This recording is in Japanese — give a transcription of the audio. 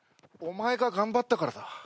お前が頑張ったからだ。